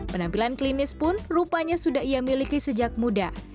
penampilan klinis pun rupanya sudah ia miliki sejak muda